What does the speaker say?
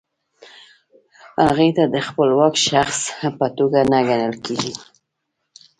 هغې ته د خپلواک شخص په توګه نه کتل کیږي.